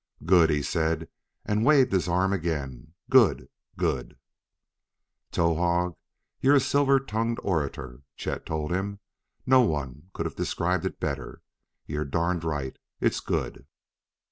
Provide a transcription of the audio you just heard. "Good!" he said, and waved his arm again. "Good! Good!" "Towahg, you're a silver tongued orator," Chet told him: "no one could have described it better. You're darned right; it's good."